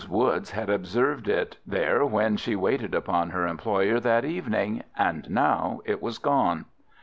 Woods had observed it there when she waited upon her employer that evening, and now it was gone.